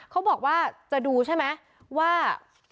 เขาบอกว่าจะดูใช่ไหมว่า